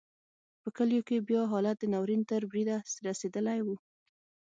په کلیو کې بیا حالت د ناورین تر بریده رسېدلی و.